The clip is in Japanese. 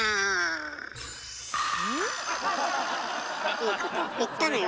いいこと言ったのよ